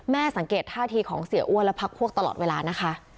สังเกตท่าทีของเสียอ้วนและพักพวกตลอดเวลานะคะ